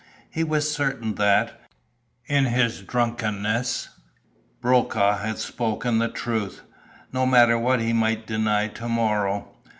He was certain that, in his drunkenness, Brokaw had spoken the truth, no matter what he might deny to morrow.